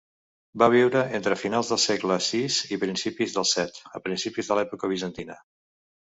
Va viure entre finals del segle VI i principis del VII, a principis de l'època bizantina.